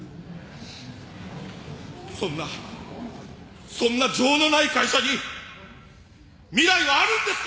そんなそんな情のない会社に未来はあるんですか！？